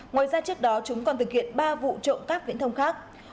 ngoài ra trước đó chúng còn thực hiện ba vụ trộm cắp viễn thông khác